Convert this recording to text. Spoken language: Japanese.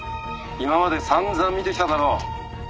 今まで散々見てきただろ。